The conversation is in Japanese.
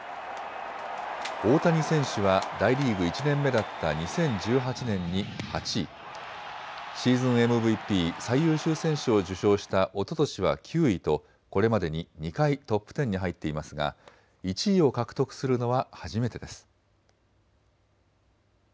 大谷選手は大リーグ１年目だった２０１８年に８位、シーズンＭＶＰ・最優秀選手を受賞したおととしは９位とこれまでに２回、トップテンに入っていますが１位を獲得するのは初めてです。